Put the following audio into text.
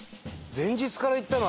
前日から行ったの？